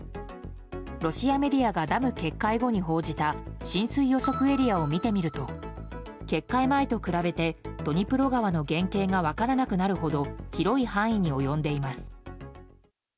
ロシアメディアがダム決壊後に報じた浸水予測エリアを見てみると決壊前と比べてドニプロ川の原形が分からなくなるほど広い範囲に及んでいます。